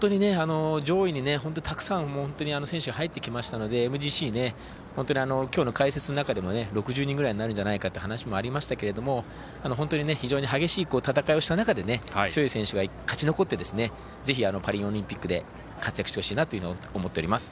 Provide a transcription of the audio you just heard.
本当に上位にたくさんの選手が入ってきましたのでＭＧＣ、今日の解説の中でも６０人ぐらいになるんじゃないかっていう話もありましたが本当に非常に激しい戦いをした中で強い選手が勝ち残ってぜひ、パリオリンピックで活躍してほしいなと思っています。